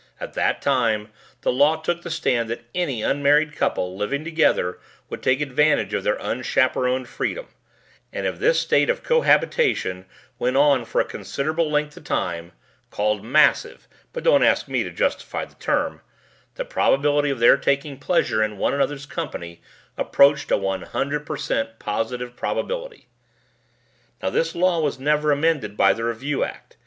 At that time the law took the stand that any unmarried couple living together would take advantage of their unchaperoned freedom, and if this state of cohabitation went on for a considerable length of time called 'Massive' but don't ask me to justify the term the probability of their taking pleasure in one another's company approached a one hundred per cent positive probability. "Now this law was never amended by the Review Act.